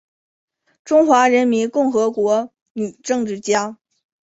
中华人民共和国女政治家。